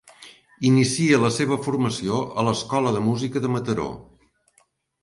Inicia la seva formació a l'Escola de música de Mataró.